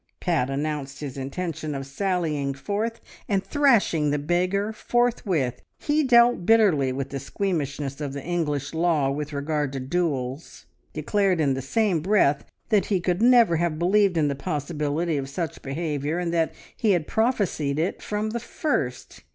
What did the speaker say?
Pat announced his intention of sallying forth and thrashing the beggar forthwith; he dealt bitterly with the squeamishness of the English law with regard to duels, declared in the same breath that he could never have believed in the possibility of such behaviour, and that he had prophesied it from the first.